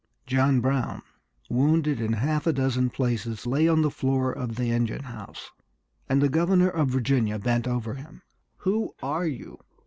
John Brown, wounded in half a dozen places, lay on the floor of the engine house; and the governor of Virginia bent over him. "Who are you?"